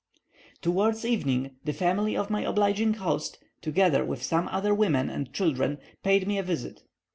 Towards evening the family of my obliging host, together with some other women and children, paid me a visit.